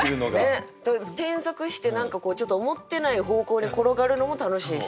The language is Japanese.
ねえ。添削して何かちょっと思ってない方向に転がるのも楽しいしね。